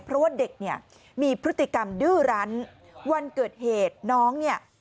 เพราะว่าเด็กเนี่ยมีพฤติกรรมดื้อรั้นวันเกิดเหตุน้องเนี่ย